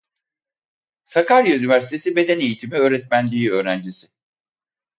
Sakarya Üniversitesi Beden Eğitimi Öğretmenliği öğrencisi.